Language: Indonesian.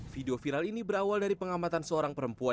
video viral ini berawal dari pengamatan seorang perempuan